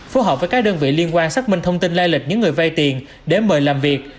phù hợp với các đơn vị liên quan xác minh thông tin lai lịch những người vay tiền để mời làm việc